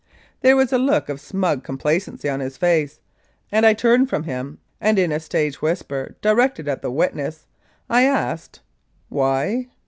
There was a look of smug complacency on his face, and I turned from him and, in a stage whisper directed at the witness, I asked, "Why?"